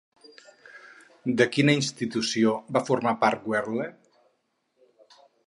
De quina institució va formar part Wehrle?